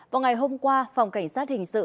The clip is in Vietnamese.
vào ngày hôm qua phòng cảnh sát hình sự